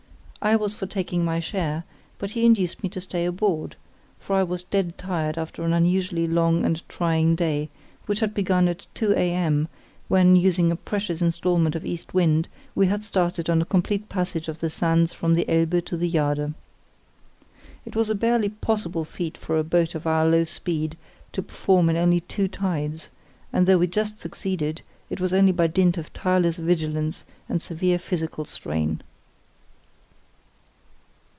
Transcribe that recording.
I was for taking my share, but he induced me to stay aboard; for I was dead tired after an unusually long and trying day, which had begun at 2 a.m., when, using a precious instalment of east wind, we had started on a complete passage of the sands from the Elbe to the Jade. It was a barely possible feat for a boat of our low speed to perform in only two tides; and though we just succeeded, it was only by dint of tireless vigilance and severe physical strain.